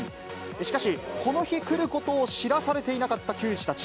しかし、この日来ることを知らされていなかった球児たち。